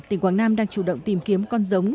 tỉnh quảng nam đang chủ động tìm kiếm con giống